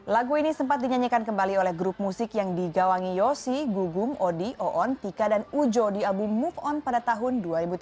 lagu ini sempat dinyanyikan kembali oleh grup musik yang digawangi yosi gugum odi oon tika dan ujo di album move on pada tahun dua ribu tiga belas